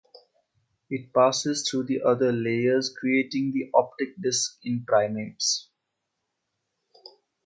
It passes through the other layers creating the optic disc in primates.